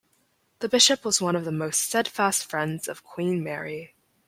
The bishop was one of the most steadfast friends of Queen Mary.